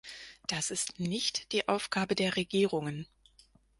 Das ist nicht die Aufgabe der Regierungen.